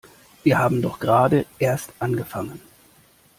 Wir haben doch gerade erst angefangen!